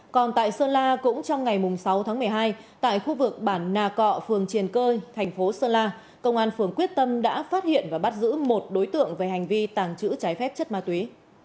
còn tại sơn la cũng trong ngày sáu tháng một mươi hai tại khu vực bản nà cọ phường triền cơi thành phố sơn la công an phường quyết tâm đã phát hiện và bắt giữ một đối tượng về hành vi tàng trữ trái phép chất ma túy